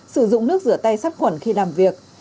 sử dụng nước rửa tay sắp quẩn khi làm việc